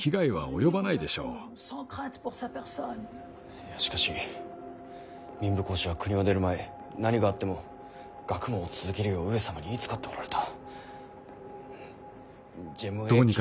いやしかし民部公子は国を出る前何があっても学問を続けるよう上様に言いつかっておられた。